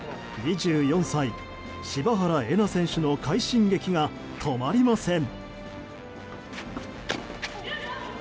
２４歳、柴原瑛菜選手の快進撃が止まりません。